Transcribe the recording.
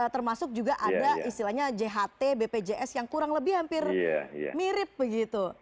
termasuk juga ada istilahnya jht bpjs yang kurang lebih hampir mirip begitu